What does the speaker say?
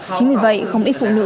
chính vì vậy không ít phụ nữ